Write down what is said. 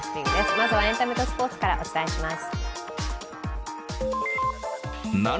まずはエンタメとスポーツからお伝えします。